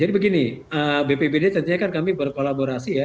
jadi begini bpbd tentunya kan kami berkolaborasi ya